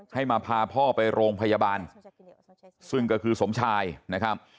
ให้มาพาพ่อไปโรงพยาบาลซึ่งก็คือสมชายนะครับ